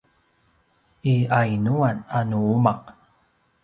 i yainuan a nu umaq?